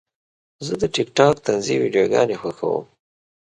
زه د ټک ټاک طنزي ویډیوګانې خوښوم.